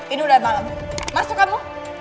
ini udah malam masuk kamu